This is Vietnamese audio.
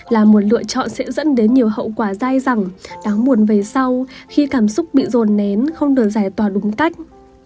là một lựa chọn sẽ dẫn đến nhiều hậu quả dai dẳng đáng buồn về sau khi cảm xúc bị rồn nén không được giải tỏa đúng cách